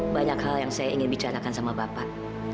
banyak hal yang saya ingin bicarakan sama bapak